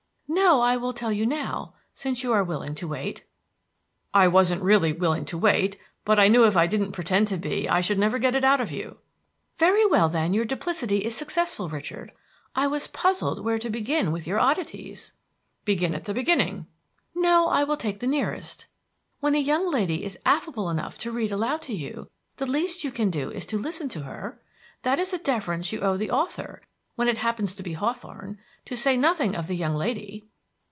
"No, I will tell you now, since you are willing to wait." "I wasn't really willing to wait, but I knew if I didn't pretend to be I should never get it out of you." "Very well, then; your duplicity is successful. Richard, I was puzzled where to begin with your oddities." "Begin at the beginning." "No, I will take the nearest. When a young lady is affable enough to read aloud to you, the least you can do is to listen to her. That is a deference you owe to the author, when it happens to be Hawthorne, to say nothing of the young lady."